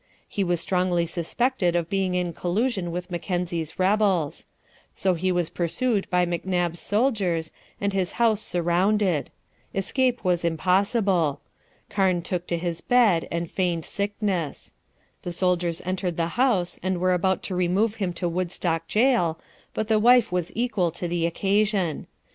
He was strongly suspected of being in collusion with Mackenzie's rebels. So he was pursued by McNab's soldiers, and his house surrounded. Escape was impossible. Karn took to his bed and feigned sickness. The soldiers entered the house, and were about to remove him to Woodstock jail; but the wife was equal to the occasion.